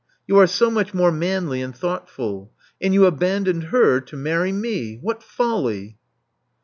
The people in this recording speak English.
You are so much more manly and thoughtful. And you abandoned her to marry me! What folly!"